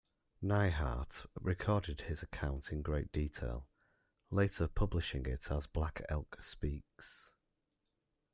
Neihardt recorded his account in great detail, later publishing it as Black Elk Speaks.